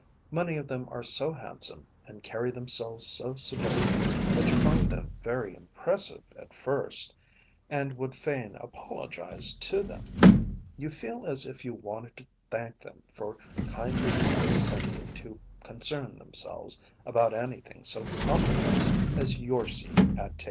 Many of them are so handsome and carry themselves so superbly that you find them very impressive at first and would fain apologize to them. You feel as if you wanted to thank them for kindly condescending to concern themselves about anything so commonplace as your seat at table.